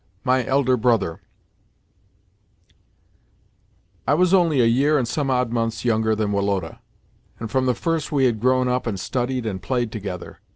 MY ELDER BROTHER I was only a year and some odd months younger than Woloda, and from the first we had grown up and studied and played together.